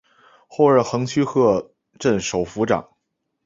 后任横须贺镇守府长。